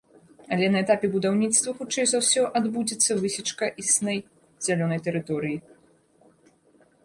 Але на этапе будаўніцтва хутчэй за ўсё адбудзецца высечка існай зялёнай тэрыторый.